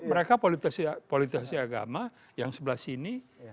mereka politisasi agama yang sebelah sini